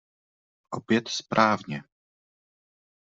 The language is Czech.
Opět správně.